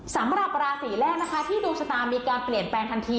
สำหรับราศีแรกนะคะที่ดวงชะตามีการเปลี่ยนแปลงทันที